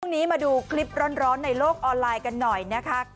มาดูคลิปร้อนในโลกออนไลน์กันหน่อยนะคะ